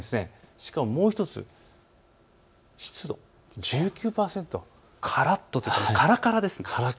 しかももう１つ、湿度１９％、からからですね。